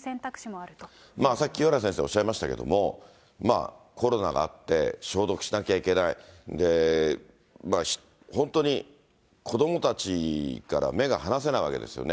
さっき清原先生、おっしゃいましたけれども、コロナがあって、消毒しなきゃいけない、本当に子どもたちから目が離せないわけですよね。